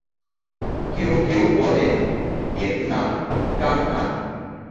কেউ কেউ বলেন, এর নাম কানআন।